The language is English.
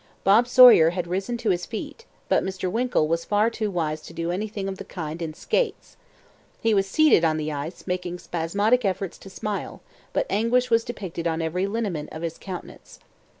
Bob Sawyer had risen to his feet, but Mr. Winkle was far too wise to do anything of the kind in skates. He was seated on the ice making spasmodic efforts to smile; but anguish was depicted on every lineament of his countenance.